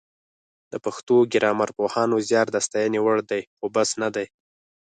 د پښتو ګرامرپوهانو زیار د ستاینې وړ دی خو بس نه دی